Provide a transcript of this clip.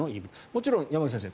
もちろん山口先生